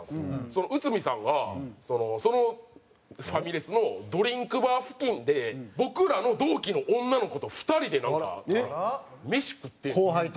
内海さんがそのファミレスのドリンクバー付近で僕らの同期の女の子と２人でなんか飯食ってるんですよ。